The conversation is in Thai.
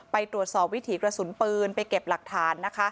ไปตรวจสอบวิถีกระสุนปืนไปเก็บหลักฐานนะคะ